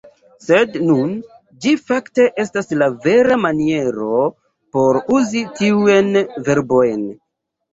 Sed nun, ĝi fakte estas la vera maniero por uzi tiujn verbojn.